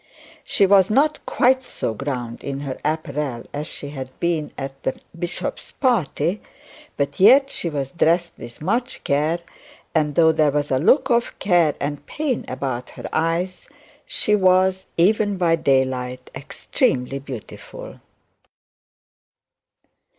She was not quite so grand in her apparel as she had been at the bishop's party, but yet she was dressed with much care, and though there was a look of care and pain about her eyes, she, was, even by daylight, extremely beautiful.